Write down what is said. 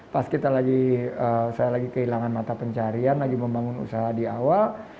pas kita lagi saya lagi kehilangan mata pencarian lagi membangun usaha di awal